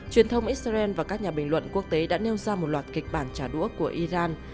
truyền thông israel và các nhà bình luận quốc tế đã nêu ra một loạt kịch bản trả đũa của iran